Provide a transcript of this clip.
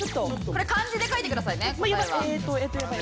これ漢字で書いてくださいね答えは。